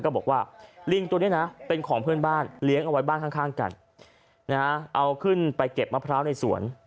บอกว่าลิงตัวนี้นะเป็นของเพื่อนบ้านเลี้ยงเอาไว้บ้านข้างกันเอาขึ้นไปเก็บมะพร้าวในสวน